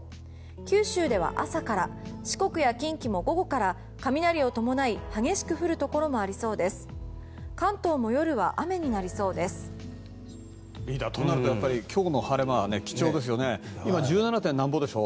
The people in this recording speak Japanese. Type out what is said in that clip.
九州では朝から四国や近畿も午後から雷を伴い激しく降るところもありそうです。